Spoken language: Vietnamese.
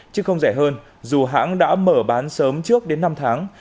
chứ không rẻ hơn dù hãng đã mở bán sớm trước đến năm tháng